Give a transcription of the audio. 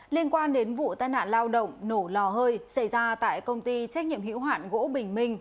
liên quan đến vụ tai nạn lao động nổ lò hơi xảy ra tại công ty trách nhiệm hữu hoạn gỗ bình minh